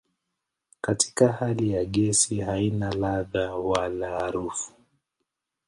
Katika hali ya gesi haina ladha wala harufu.